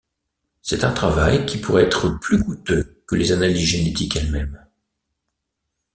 C'est un travail qui pourrait être plus couteux que les analyses génétique elles-mêmes.